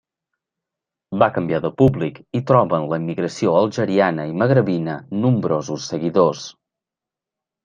Va canviar de públic i troba en la immigració algeriana i magrebina nombrosos seguidors.